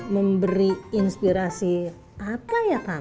memberi inspirasi apa ya kang